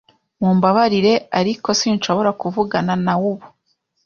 Mumbabarire, ariko sinshobora kuvugana nawe ubu.